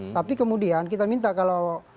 tapi kemudian kita minta kalau